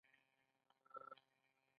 دا د سیاسي او اقتصادي جوړښتونو محصول دی.